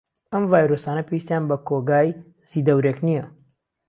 ئهم ڤایرۆسانه پێویستییان به كۆگای زیدهورێك نییه